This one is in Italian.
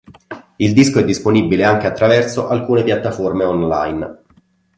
Il disco è disponibile anche attraverso alcune piattaforme online.